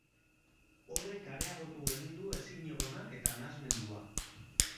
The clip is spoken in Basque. Horrek areagotu egin du ezinegona eta nahasmendua.